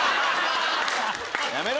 やめろ！